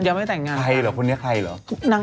ยังไม่ได้แต่งงานกันใครเหรอคนนี้ใครเหรอ